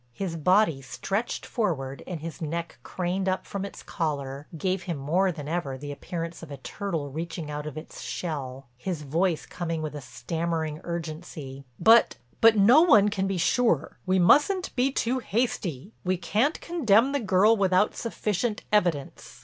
His body stretched forward, and his neck craned up from its collar gave him more than ever the appearance of a turtle reaching out of its shell, his voice coming with a stammering urgency: "But—but—no one can be sure. We mustn't be too hasty. We can't condemn the girl without sufficient evidence.